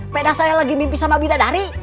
pada saat saya mimpi sama bidadari